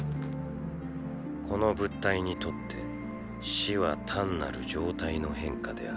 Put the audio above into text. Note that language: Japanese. この物体にとって死は単なる状態の変化である。